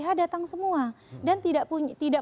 h datang semua dan tidak